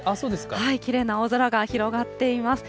きれいな青空が広がっています。